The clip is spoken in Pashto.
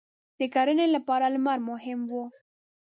• د کرنې لپاره لمر مهم و.